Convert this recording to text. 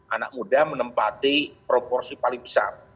anak muda menempati proporsi paling besar